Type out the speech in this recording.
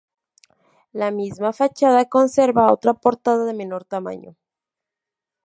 La misma fachada conserva otra portada de menor tamaño.